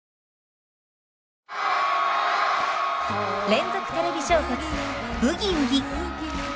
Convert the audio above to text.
連続テレビ小説「ブギウギ」。